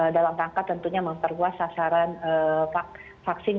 dalam rangka tentunya memperluas sasaran vaksin